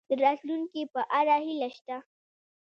د راتلونکي په اړه هیله شته؟